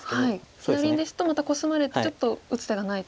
左ですとまたコスまれてちょっと打つ手がないと。